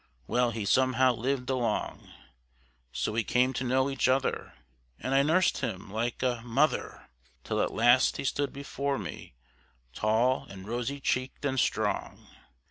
Well, he somehow lived along; So we came to know each other, and I nursed him like a mother, Till at last he stood before me, tall, and rosy cheeked, and strong.